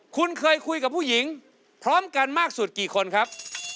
คุณเคยคุยกับผู้หญิงพร้อมกันมากสุดกี่คนครับ